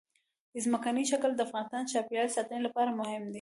ځمکنی شکل د افغانستان د چاپیریال ساتنې لپاره مهم دي.